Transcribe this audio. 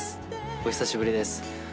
お久しぶりです。